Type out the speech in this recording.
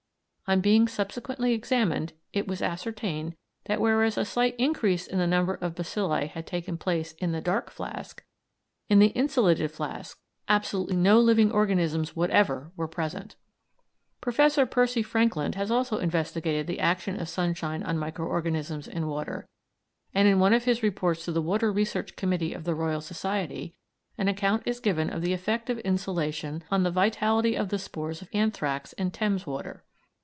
On being subsequently examined it was ascertained that whereas a slight increase in the number of bacilli had taken place in the "dark" flask, in the insolated flask absolutely no living organisms whatever were present. Professor Percy Frankland has also investigated the action of sunshine on micro organisms in water, and in one of his reports to the Water Research Committee of the Royal Society an account is given of the effect of insolation on the vitality of the spores of anthrax in Thames water.